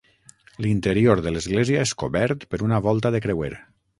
L'interior de l'església és cobert per una volta de creuer.